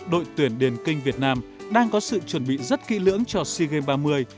đội tuyển điền kinh việt nam đang có sự chuẩn bị rất kỹ lưỡng cho sea games ba mươi